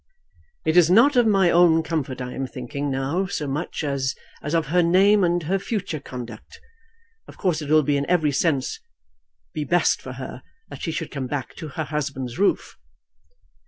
"It is not of my own comfort I am thinking now so much as of her name and her future conduct. Of course it will in every sense be best for her that she should come back to her husband's roof."